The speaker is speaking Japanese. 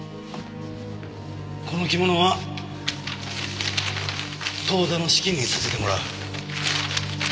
この着物は当座の資金にさせてもらう。